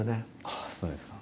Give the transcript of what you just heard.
あっそうですか。